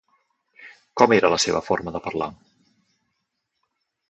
Com era la seva forma de parlar?